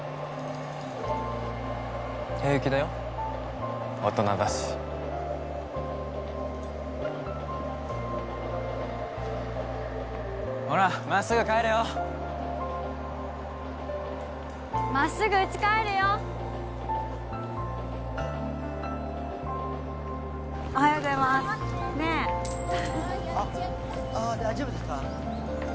平気だよ大人だしほらまっすぐ帰れよまっすぐうち帰るよおはようございます大丈夫ですか？